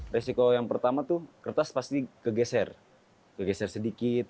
resiko yang pertama tuh kertas pasti kegeser kegeser sedikit